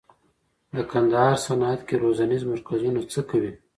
د کندهار صنعت کي روزنیز مرکزونه څه کوي؟